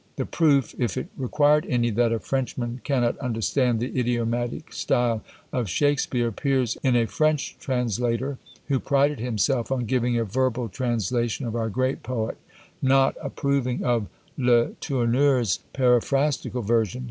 The proof, if it required any, that a Frenchman cannot understand the idiomatic style of Shakspeare appears in a French translator, who prided himself on giving a verbal translation of our great poet, not approving of Le Tourneur's paraphrastical version.